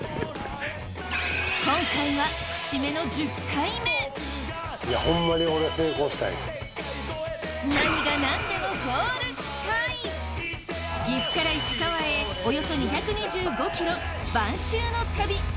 今回は何が何でも岐阜から石川へおよそ２２５ｋｍ晩秋の旅。